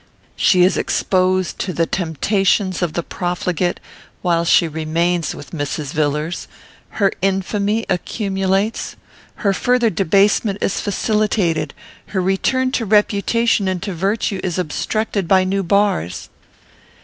She is exposed to the temptations of the profligate; while she remains with Mrs. Villars, her infamy accumulates; her further debasement is facilitated; her return to reputation and to virtue is obstructed by new bars."